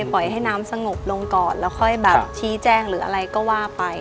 ปล่อยให้น้ำสงบลงก่อนแล้วค่อยแบบชี้แจ้งหรืออะไรก็ว่าไป